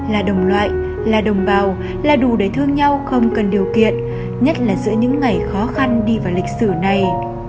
là đồng loại là đồng bào là đủ để thương nhau không cần điều kiện nhất là giữa những ngày khó khăn đi vào lịch sử này